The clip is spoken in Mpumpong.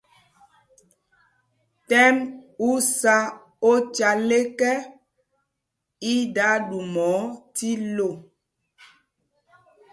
Tɛ̰m u sá ocal ekɛ, i da ɗuma ɔ tí lô.